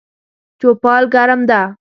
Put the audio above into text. چوپال ګرم ده